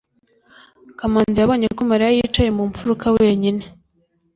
kamanzi yabonye ko mariya yicaye mu mfuruka wenyine